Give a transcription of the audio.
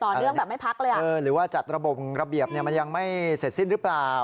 เนื่องแบบไม่พักเลยอ่ะเออหรือว่าจัดระบบระเบียบเนี่ยมันยังไม่เสร็จสิ้นหรือเปล่า